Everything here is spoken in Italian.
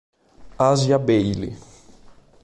Asia Bailey